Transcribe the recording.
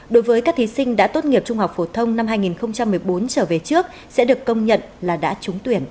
đối với các thí sinh đã tốt nghiệp trung học phổ thông năm hai nghìn một mươi bốn trở về trước sẽ được công nhận là đã trúng tuyển